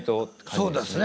そうですね。